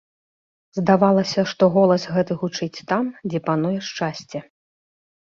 Здавалася, што голас гэты гучыць там, дзе пануе шчасце.